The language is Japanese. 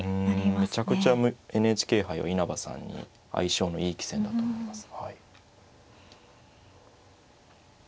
うんめちゃくちゃＮＨＫ杯は稲葉さんに相性のいい棋戦だと思います。